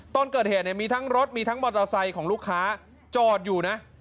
ตอนเกิดเหตุเนี่ยมีทั้งรถมีทั้งมอเตอร์ไซค์ของลูกค้าจอดอยู่นะ